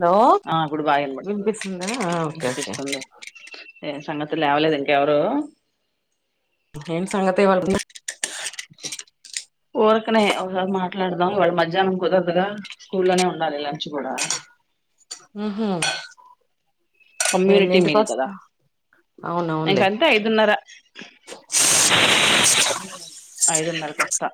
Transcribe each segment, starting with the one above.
Hello ఆ ఇప్పుడు బాగాన పడుతుంది వినిపిస్తుందా ఆ ఓకే అనిపిస్తుంది సంగతు లేవలేదు ఇంకెవరు ఏన్ సంగతే వాళ్ళకు ఊరికనే ఒకసారి మాట్లాడదాం వాళ్ళు మధ్యాహ్నం కుదరదుగా స్కూల్లోనే ఉండాలి లంచ్ కూడా ఉహ కమ్యూనిటీ ఎన్నింటికి మీల్ కదా వస్తా అవునవునులే ఇంకంతే ఐదున్నర ఐదున్నరకు వస్తా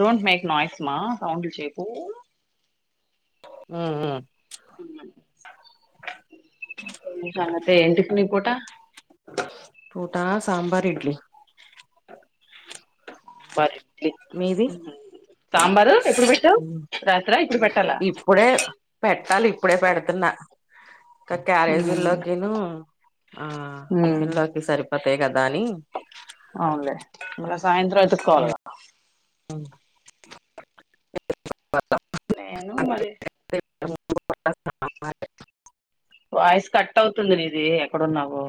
డోంట్ మేక్ నయస్మా సౌండ్లు చేపు ఆ ఆ తే ఏంటికిని పోటా టోటా సాంబార్ ఇడ్లీ బర మీది సాంబారు ఎప్పుడు పెట్టావు రాత్ర ఇప్పుడు పెట్టాలా అప్పుడ ప ఎడుతున్న ఇ క్యారేజీ ఉమ్, లోకిను ఆ ఉమ్, టిఫిన్ లోకి సరిపోతాయి కదా అని అవునులే ఇ సాయంత్రం ఎతుట్కోవాలిగా అ నను మరి వాయిస్ కట్ అవుతుంది నీది ఎక్కడున్నావు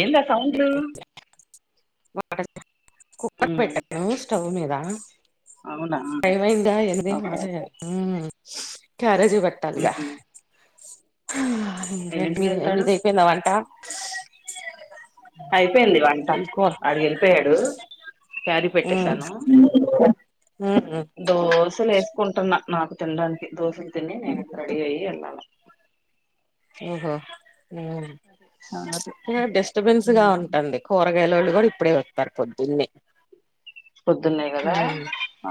ఏంద సౌండ్లు కుక్కర్ ఉమ్, పెట్టాను స్టవ్ మీద అవునా పైమైందా ఎంత మ ఓకే ఓకే క్యారేజీ పట్టాలిగా ఉమ్, ఎన్నింటికి మీరు వెళ్తాడు మీద అయిపోయిందవంట అయిపోయింది వంట ఇంకో ఆడికి వెళ్ళిపోయాడు క్యారీ ఉమ్ పెట్టేశాను ఉమ్ దోసలు వేసుకుంటున్నా నాకు తినడానికి దోశలు తిని నేన రెడీ అయ్యి వెళ్ళాను ఓహో సంగతి డిస్టబెన్స్ గా ఉమ్, ఉంటుంది కూర యల వాళ్ళు కూడా ఇప్పుడే వస్తారు పొద్దున్నే పొద్దున్నే కదా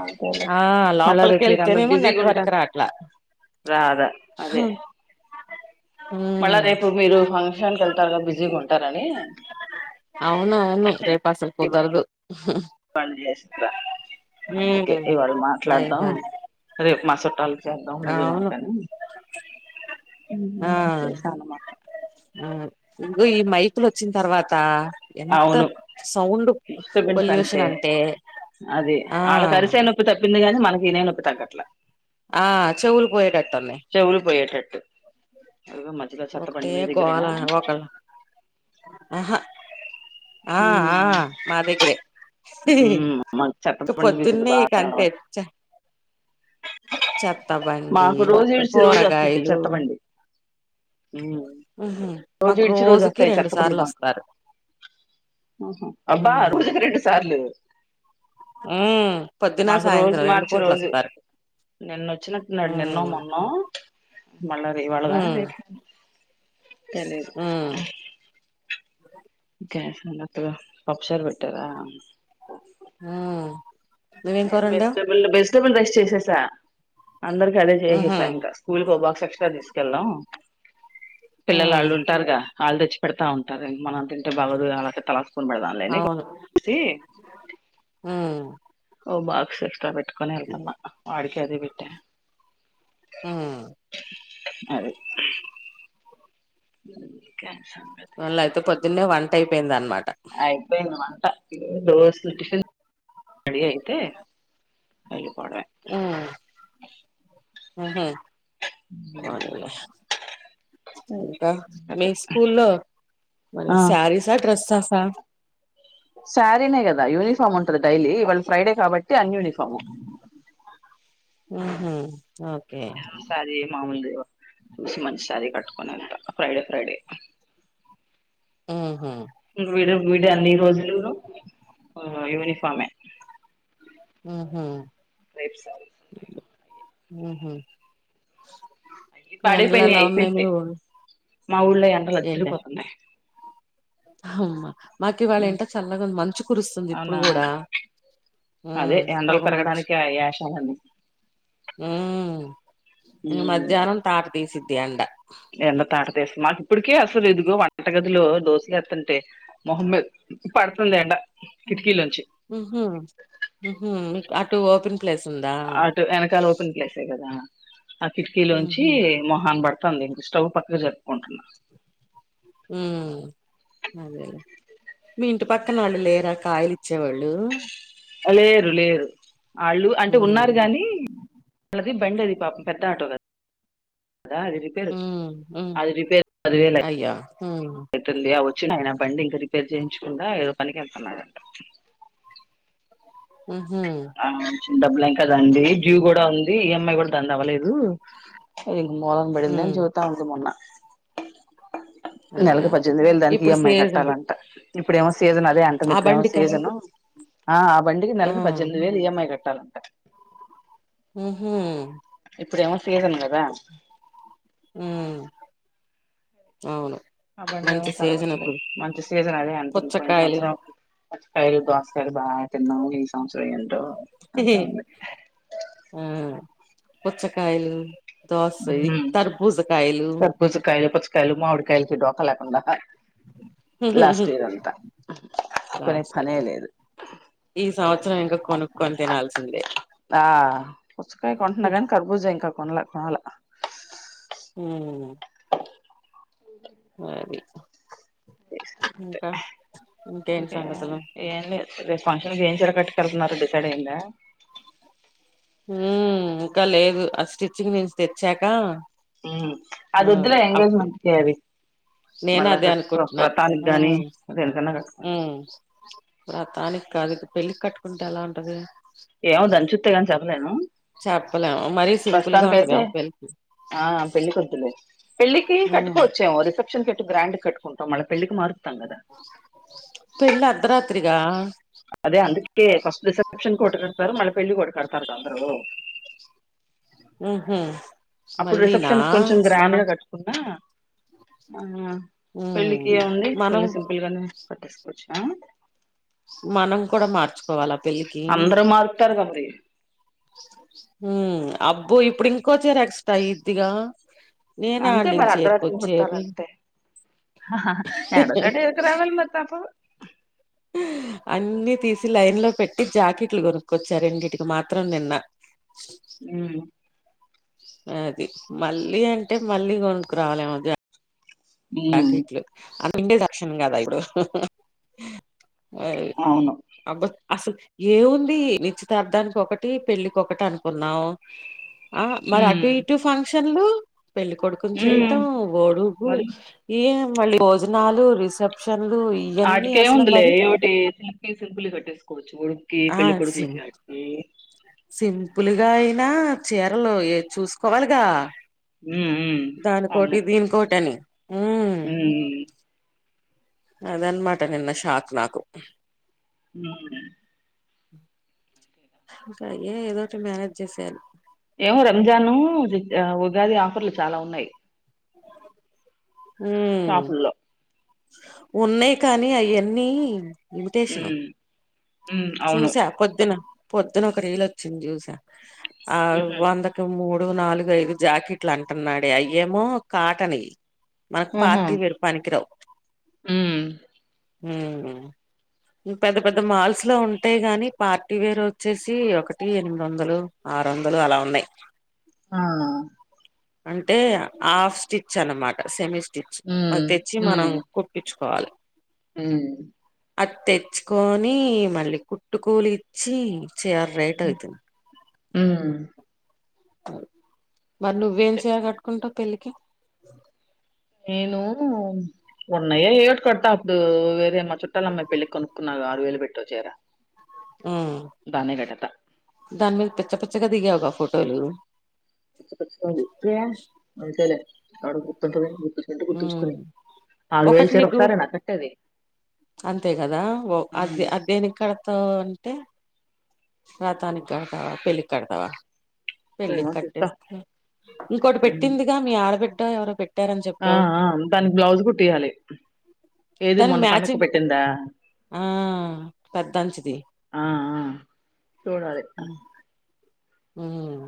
అంతేలే ఆ మళ్ళా రేపు లోపలికిళ్తేనిమ నెట్వర్క్ రా అట్లా రాధా అదే మళ్ళా ఉమ్ రేపు మీరు ఫంక్షన్కి వెళ్తారుగా బిజీగా ఉంటారని అవునవును రేపా స్వల్పు దార్దు పని చేస్తా అందుకే ఇవాళ మాట్లాడదాం అయిపోది రేప్ మా సుట్టాల్ చేద్దాం అవును [unintelligible] ఆ చేశానమాట ఇదుగో ఈ మైకులు వచ్చిన తర్వాత ఎంత అవును సౌండ్ పొల్యూషన్ అంటే [unintelligible] అది వాళ్ళ కరిసే నొప్పి తప్పింది కాని మనకి ఇనే నొప్పి తగ్గట్ల ఆ చెవులు పోయేటట్టున్నాయ్ చెవులు [unintelligible] మధ్యలో ఒకటే చెత్తబండి మీ గోల దగ్గరేనా ఒకల్ అహా ఆ అ ఉమ్ మా దగ్గరే ఉమ్, మాకు ఇంత చెత్తబండి విసులు పొద్దున్నే ఇక బాగా అంతె అలవాటు చ్చ చెత్తబండి మాకు రోజు ఇడిచి రోజు వస్తుంది కూరగాయలు చెత్తబండి ఉమ్, అహ రోజు మాకు ఇడిచి రోజు రోజుకి వస్తాయి రెండు చెత్తబండ్లు సార్లు మాకు వస్తారు అబ్బా ఉమ్ రోజుకు రెండు సార్లు ఉమ్ పొద్దున మాకు రోజు సాయంత్రం రెండు మార్చి పూట్ల రోజు వస్తారు నిన్న వచ్చినట్టున్నాడు ఉమ్ నిన్నో మొన్నో మళ్ల రివాళ్ళ ఉమ్ రేపు తెలిదు ఉమ్ ఒకే [unintelligible] పప్పు చార్ పెట్టార ఆ నేన్ వెజిటబుల్ వెజిటెబుల్ రైస్ చేసేసా అందరికి అదే ఉహు చేసేసా ఇంకా స్కూల్కి ఓ బాక్స్ ఎక్స్ట్రా తీసుకెళ్దాం పిల్లలు ఉమ్ వాళ్ళు ఉంటారుగ వాళ్ళ తెచ్చి పెడతా ఉంటారు మనం తింటే బాగోదు గా [unintelligible] స్పూన్ పెడదాం లే అని అవును చూసి ఉమ్ ఓ బాక్స్ ఎక్స్ట్రా పెట్టుకొని వెళ్తున్నా వాడికి అద్ పెట్ట మ్ ఇంక వాల్లయితే పొద్దున్నే వంట అయిపోయింది అన్ అయిపోయింది వంట రోజ్ కి టిఫిన్ రెడి అయితే వెళ్ళి పోవడమె ఉమ్ ఉహు పోనీలె ఇంకా మీ అదే స్కూల్లో మరి స్యాసీస డ్రస్సెస్సా సారీ నే కదా యూనిఫార్మ్ ఉంటు డైలీ ఇవాళ ఫ్రైడే కాబట్టి అన్ యూనిఫాము ఊహు ఏదో శారీ మామూల్ది చూసి మంచి శారీ కట్టుకుని ఫ్రైడే ఫ్రైడే ఉహు [inaudible] అన్ని రోజులు ను యూనిఫామే ఊహు రేపు శారీస్ ఉంటాయి ఉహు అవి ఫ్యాన్ల [inaudible] మాఊళ్లో ఎండల అధ్రి పోతున్నాయి హమ్మా మాకివాళ ఏంట చల్లగా మంచు కురుస్తుంది ఇప్పుడు అవునా కూడ అదే ఎండల్ పెరగడానికి ఆ ఏషాలన్ని ఉమ్ ఇక మధ్యాహ్నం తాట తీసిద్దిి ఎండ ఎండ తాటతేస్త మాక్ ఇప్పటికే అసలు ఇదుగో వంటగదిలో దోశలు ఎత్తుంటే మొహమ్మద్ పడుతుండె ఎండ కిటికీలోంచి ఉహు ఉహు అటు ఓ అటు వెనకాల ఓపెన్ ప్లేసే కదా ఆ కిటికీలోంచి ఉహు మొహాన్ పడుతంది ఇంక స్టవ్ పక్కకు జరుపుకుంటున్నా మ్ అదేలే మీ ఇంటి పక్కన వాళ్ళు లేరా కాయలి ఇచ్చేవాళ్ళు లేరు లేరు వాళ్ళు అంటే ఉమ్ ఉన్నారు గాని అది బండ్ అది పాప పెద్ద ఆటో కాదు అదా అది రిపేర్ ఉమ్ ఉమ్ అది రిపేర్ పదివేలు అయ్యో ఉమ్ అవుతుంది వచ్చిన అయినా బండి ఇంకా రిపేర్ చేయించకుండా ఏదో పనికి వెళ్తున్నారంట ఉహు డబ్బులు ఇంకా దండి డ్యు ఉమ్ కూడా ఉంది ఈఎంఐ కూడా దాండి అవ్వలేదు మోహన్ పడింది అని ఉమ్ చవతా ఉంది మొన్న నెలకు అయ్యో పద్దెనిమిది వేలు దానికి ఇప్పుడు ఈఎంఐ సీజన్ కట్టాలంట ఇప్పుడేమో సీజన్ అదే అంట ఆ ఇప్పుడేమో బండికా సీజన్ ఆ ఆ బండికి నెలకి ఆ పద్దెనిమిది వేలు ఈఎంఐ క చాలంట ఉహు ఇప్పుడమో సీజన్ గదా మ్ అవును అబండి మంచి ఏమో సీజన్ కలగతులేదు అప్పుడు మంచి సీజన్ అదే అంటుంది పోయిన పుచ్చకాయలు సంవత్సరం పిచ్చి కాయలు దోస కాయలు బాగా తిన్నాం ఈ సంవత్సరం ఎమ్ ఆ పుచ్చకాయలు దోస ఇ ఉమ్ తర్ భుజ కాయలు కలు మావిడికాయలకి డోకా లేకుండా లాస్ట్ ఇయర్ అంతా కొనే పనే లేదు ఈ సంవత్సరం ఇంకా కొనుక్కొని తినాల్సిందే ఆ పుచ్చకాయ కొంటున కాని కర్బూజ ఇంకా కొనలె కొనలా మ్ మరి అంతే ఇంకా ఇంకాఎమ్ సంగతులు ఫంక్షన్కి ఏం చిరకట్టుక వెళ్తున్నారు డిసైడ్ అయిందా ఉ ఇంకా లేదు ఆ స్టిచ్చింగ్ నుంచి తెచ్చాక ఉ అదివద్దు ఉమ్ లె అప్పుడు ఎంగేజ్మెంట్ కి అది నేను అదే అనుకుంటున్నా దేనికన్నా కట్టుకో ఉ వ్రతానిక్ కాదు పెళ్ళికి కట్టుకుంటే ఎలా ఉంటది ఏమె దాన్ని చుత్తేగాని చెప్పలేను చెప్పలేము మరీ సింపుల్ గా ప్రస్తుతానికి అయితే ఉంటదేమో పెళ్లి ఆ పెళ్ళి కొద్దు లే పెళ్లికి ఉమ్ కటుకోవచ్చు ఎమో రిసెప్షన్ కట్టి బ్రాండ్ కట్టుంటాం మళ్ళ పెళ్లికి మార్ పెళ్లి అర్ధరాత్రిగా అదే అందుకే ఓకే ఫస్ట్ రిసెప్షన్ ఒకటి కడతారు మళ్ళీ పెళ్లికి ఒకటి కడతారు అందరు ఉ హమ్ అప్పుడు రిసెప్షన్స్ కొంచెం గ్రాండ్గా కట్టుకున్నా ఆ ఉమ్ పెళ్ళకి ఎవుంది మనం సింపుల్ గానే కట్టేసుకోవచ్చు మనం కూడా మార్చుకోవాలి ఆ పెళ్లికి అందరూ మారుతారుగా మరి హు అబ్బో ఇప్పుడు ఇంకో చిరా ఎక్స్టా అయి ద్దిగా అంతే మరి అర్ధరాత్రి ముహూర్తాలు అంతే ఎడ చటికు రావాల ముహూర్తం అప్ప [inaudible] అన్ని తీసి లైన్ లో పెట్టి జాకెట్లు కొనుక్కొచ్చారు రెండిన్నిటికి మాత్రం నిన్న ఉమ్ అది మళ్ళీ అంటే మళ్ళీ కొనుకు రవాలేము ఉమ్ జాకీట్ ట్లు తక్షన్ కదా ఇప్పుడు అ అవును అబ్బా అసలు ఏముంది నిచ్చిత్తార్థానికి ఒకటి పెళ్ళకి ఒకటి అనుకున్నాం ఆ మరి ఉమ్ అటు ఇటు ఫంక్షన్లు పెళ్లి కొడుకుని ఉమ్ చేయటం ఓడుగు మరి మళ్ళీ భోజనాలు రిసెప్షన్ ఆటికేం ఉంది లే ఏమిటి పిస్ల కట్టేసుకోవచ్చు కి పెళ్లి కొడుకులకి ఆటికి సింపుల్గా అయినా చీరలు ఏ చూసుకోవాలిగా ఉమ్ ఉమ్ అవును దానికోటి దీనికోటని ఉమ్ అదన్న మాట నిన్న షాక్ నాకు ఉమ్ లే ఇంకా అయే ఏదోఒకటి మేనేజ్ చేసేయాలి యా ఉగాది ఆఫర్లు చాలా ఉన్నాయి ఉమ్ షాపుల్లో ఉన్నాయి కానీ అయన్నీ లిమిటేషను ఉమ్ ఉమ్ అవును చూసా పొద్దున పొద్దున ఒక రీలు వచ్చింది చూసా ఆ ఉహు వందకి మూడు నాలుగు ఐదు జాకెట్లు అంటున్నాడే అయ్యేమో కాటన్యీ మనకు ఉహు పార్టీ వేర్కి పనికి రావు ఉమ్ ఉమ్ పెద్ద పెద్ద మాల్స్ లో ఉంటయ్ గాని పార్టీ వేర్ వచ్చేసి ఒకటి ఎనిమిది వందలు ఆరు వందలు అలా ఉన్నాయి ఆ అంటే హాఫ్ స్టిచ్ అనమాట సెమీ స్టిచ్ మది ఉమ్ తెచ్చి మనం ఉమ్ కుట్టించు కోవాలి ఉమ్ అది తెచ్చుకొని మళ్ళీ కుట్టుకూలి ఇచ్చి చేయలి రేట్ అయితుంది ఉమ్ మరి నువ్వేం చీర కట్టుకుంటావు పెళ్ళికి నేను ఉన్నాయే ఏవిటి కడతా అప్పుడు వేరే మా చుట్టాల అమ్మాయి పెళ్ళి కొనుక్కున్నా ఆరు వేలు పెట్టి ఓ చిరా ఉమ్ దాని మీద పిచ్చపిచ్చగా దిగావుగా ఫోటోలు పిచపిచ్చాగా నా ఎప్పుడే అంతేలే ఎవడికి గుర్తు ఉంటది గుర్తుంటే ఉమ్ గుర్తుంచుకుని ఆరు వేలు ఒకటి చీర నీకు ఒకసారే నా కట్టేది అంతే కదా అద్ హ్మ్ అదేనికి కడతావ్ టె రదానికి కడతావా పెళ్లికి కడతావా ఏమో చూస్తా ఇంకోటి పెట్టిందిగా మీ ఆడబిడ్డ ఎవరొ పెట్టార ఆఆ దానికి బ్లౌజ్ కుట్టియాలి ఏది దానికి మొన్న పండుగకు మ్యాచింగ్ పెటిందా ఆ పెద్దంచిది ఆ ఆ చూడాలి ఉమ్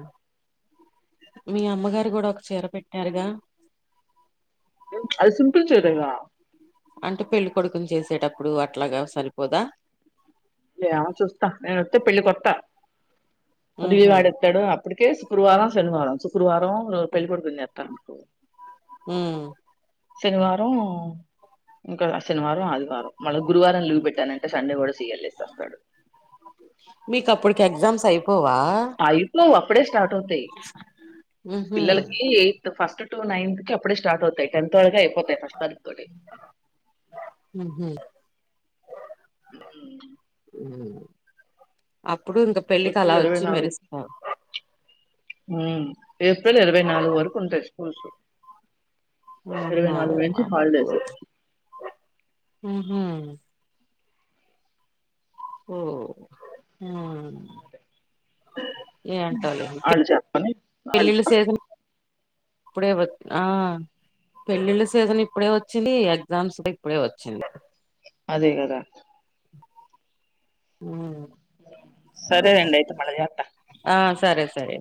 మీ అమ్మగారు కూడా ఒక చీర పెట్టారుగా అది సింపుల్ చీరెగా అంటే పెళ్ళి కొడుకుని చేసేటప్పుడు అట్లాగా సరిపోదా యేవో చూస్తా నేను వొతే పెళ్లికి వత్తా ఉహు అభిగాడోతాడు అప్పుటికే శుక్రవారం శనివారం శుక్రవారం పెళ్ళి కొడుకున్ని చెత్తరానుకో ఉమ్ శనివారం ఇంకో శనివారం ఆదివారం మళ్ళీ గురువారం లీవ్ పెట్టానంటే సండే కూడా సి ఎల్ సస్తాడు మీకు అప్పటికి ఎగ్జామ్స్ అయిపోవా ఆ ఇట్లో అప్పుడే స్టార్ట్ అవుతాయి ఉహు పిల్లలకి ఎయిట్త్ ఫిస్ట్ టు నైన్త్ కి అప్పుడే స్టార్ట్ అవుతాయి టెన్త్లోకే అయిపోతాయి ఫస్ట్ తారీక్ తోటి ఉహు ఉమ్ ఉ ఉమ్ అప్పుడు ఇంక పెళ్ళి కల ఏప్రిల్ ఇరవై వచ్చి నాలుగు మెరుస్తా ఉమ్ ఏప్రిల్ ఇరవై నాలుగు వరకు ఉంటాయి స్కూల్స్ ఇరవై ఉహు నాలుగు నుంచి అబ్బో. హాలిడేస్ హామ్ ఉమ్. ఏంటో లే. వాళ్ళు చెప్పని వాళ్ళు ఇప్పుడే వద్ ఆ. పెళ్ళిళ్ళ సేజన్ ఇప్పుడే వచ్చింది ఎగ్జామ్స్ ఇప్పుడే వచ్చింది. దిగదట. ఉమ్ సరే అండి అయితే మల్ల చేత. ఆ సరే సరే.